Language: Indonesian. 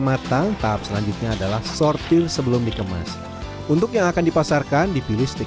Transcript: matang tahap selanjutnya adalah sortir sebelum dikemas untuk yang akan dipasarkan dipilih stik